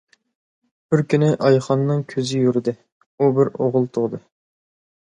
بىر كۈنى ئايخاننىڭ كۆزى يورۇدى، ئۇ بىر ئوغۇل تۇغدى.